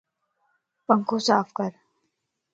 پنکو صاف ڪر